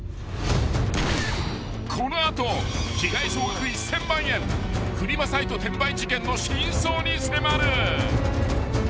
［この後被害総額１，０００万円フリマサイト転売事件の真相に迫る］